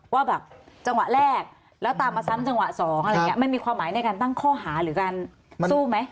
ว่าแบบจังหวะแรกแล้วตามมาซ้ำจังหวะสองอะไรอย่างเงี้มันมีความหมายในการตั้งข้อหาหรือการสู้ไหม